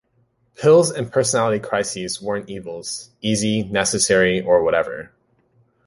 Pills and personality crises weren't evils-easy, necessary, or whatever.